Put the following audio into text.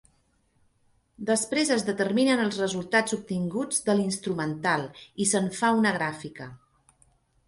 Després es determinen els resultats obtinguts de l'instrumental i se'n fa una gràfica.